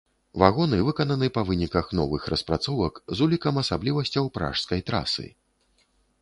Вагоны выкананы па выніках новых распрацовак з улікам асаблівасцяў пражскай трасы.